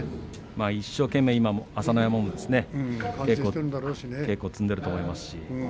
一生懸命、今、朝乃山稽古を積んでいると思いますし。